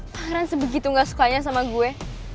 pangeran sebegitu gak sukanya sama gue